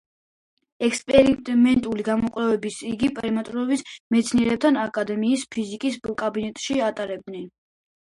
ექსპერიმენტული გამოკვლევებს იგი პეტერბურგის მეცნიერებათა აკადემიის ფიზიკის კაბინეტში ატარებდა.